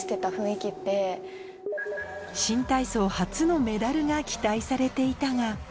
新体操初のメダルが期待されていたが